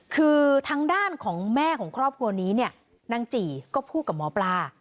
คือทางด้านของแม่ของครอบครัวนี้เนี่ยนางจี่ก็พูดกับหมอปลา